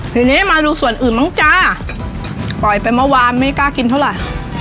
ทีนี้มาดูส่วนอื่นบ้างจ้าปล่อยไปเมื่อวานไม่กล้ากินเท่าไหร่